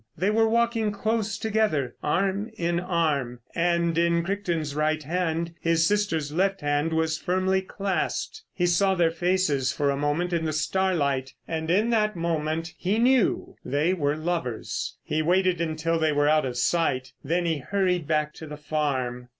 They were walking close together, arm in arm, and in Crichton's right hand his sister's left hand was firmly clasped. He saw their faces for a moment in the starlight, and in that moment he knew they were lovers. He waited until they were out of sight, then he hurried back to the farm.